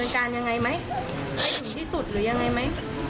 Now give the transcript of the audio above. ใช่ค่ะ